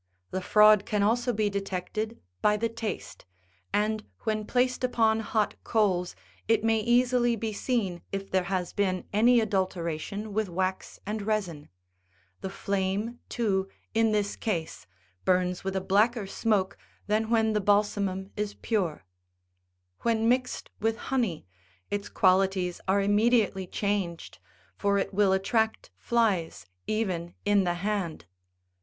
The fraud can also be detected by the taste, aud when placed upon hot coals it may easily be seen if there has been any adulteration with wax and resin ; the flame too, m this case, burns with a blacker smoke than when the balsamum is pure "When mixed with honey its qualities are imme diately changed, for it will attract flies even in the hand.